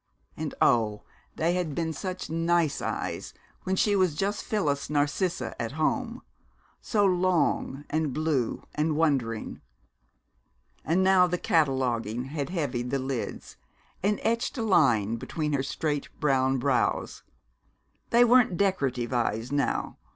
And oh, they had been such nice eyes when she was just Phyllis Narcissa at home, so long and blue and wondering! And now the cataloguing had heavied the lids and etched a line between her straight brown brows. They weren't decorative eyes now